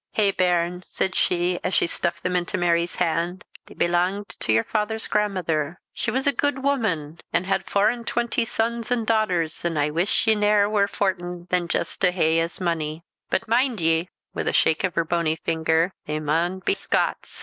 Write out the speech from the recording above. "Hae, bairn," said she as she stuffed them into Mary's hand; "they belanged to your father's grandmother. She was a gude woman, an' had fouran' twenty sons an' dochters, an' I wiss ye nae war fortin than just to hae as mony. But mind ye," with a shake of her bony finger, "they maun a be Scots.